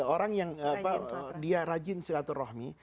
orang yang dia rajin silaturahmi